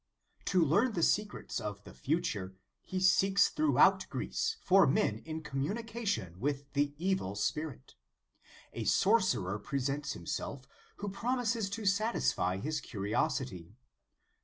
To learn the secrets of the future, he seeks throughout Greece for men in communication with the Evil Spirit. A sorcerer presents himself, who promises to satisfy his curiosity.